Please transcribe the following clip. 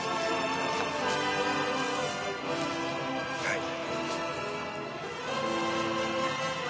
はい。